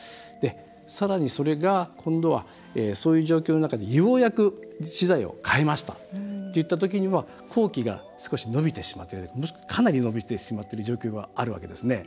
さらに、それが今度はそういう状況の中でようやく資材を買えましたといった時には工期が少し延びてしまっているもしくは、かなり延びてしまっている状況があるわけですね。